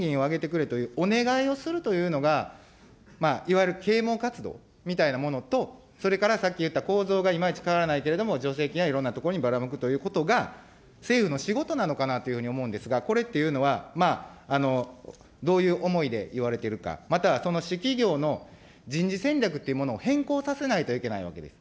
でもこのインフレで賃金を上げてくれというお願いをするというのが、いわゆる啓もう活動みたいなものと、それからさっき言った構造はいまいち変わらないけれども、助成金はいろんなところにばらまくということが、政府の仕事なのかなというふうに思うんですが、これっていうのは、まあ、どういう思いで言われてるか、またはその主企業の人事戦略というものを変更させないといけないわけです。